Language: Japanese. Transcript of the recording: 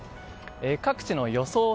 各地の予想